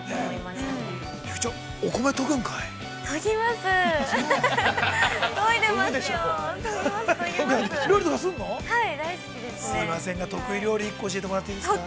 ◆すいませんが、得意料理１個教えてもらっていいですか？